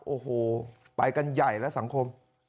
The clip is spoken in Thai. โอ้โหไปกันใหญ่แล้วสังคม